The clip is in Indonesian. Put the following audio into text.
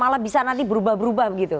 malah bisa nanti berubah berubah begitu